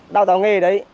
đào tạo nghề ở đấy